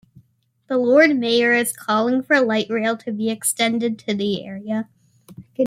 The Lord Mayor is calling for Light Rail to be extended to the area.